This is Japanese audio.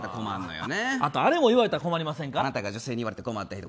あれも言われたら困りませんか？